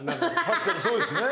確かにそうですね。